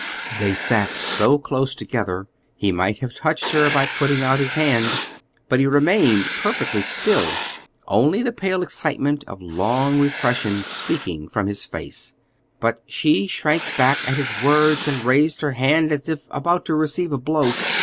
They sat so close together he might have touched her by putting out his hand, but he remained perfectly still, only the pale excitement of long repression speaking from his face; but she shrank back at his words and raised her hand as if about to receive a blow.